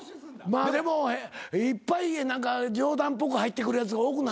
でもいっぱい冗談っぽく入ってくるやつが多くなる。